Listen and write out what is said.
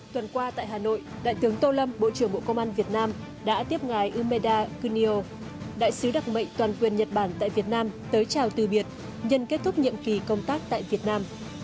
tuần qua tại hà nội đại tướng tô lâm bộ trưởng bộ công an việt nam đã tiếp ngài umeda kunio đại sứ đặc mệnh toàn quyền nhật bản tại việt nam tới chào từ biệt nhân kết thúc nhiệm kỳ công tác tại việt nam